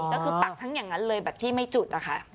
ก็คือปักทั้งอย่างนั้นเลยแบบที่ไม่จุดอะค่ะ